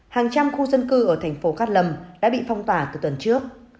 hàng trăm khu dân cư ở thành phố cát lâm đã bị phong tỏa từ tuần trước